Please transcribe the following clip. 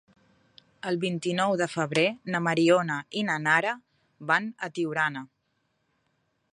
El vint-i-nou de febrer na Mariona i na Nara van a Tiurana.